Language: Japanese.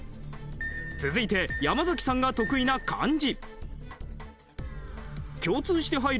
続いて山崎さんが得意な漢字。